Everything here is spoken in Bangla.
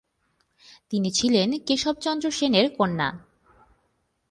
তিনি ছিলেন কেশব চন্দ্র সেনের কন্যা।